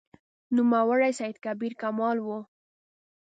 نوموړی سید کبیر کمال و.